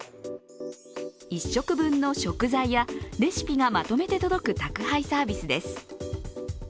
１食分の食材やレシピがまとめて届く宅配サービスです。